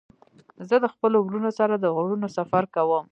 زه د خپلو ورونو سره د غرونو سفر کوم.